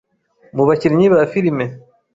mu bakinnyi ba Filime